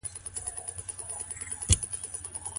ایا تکړه پلورونکي وچ توت صادروي؟